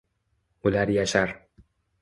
Ular yashar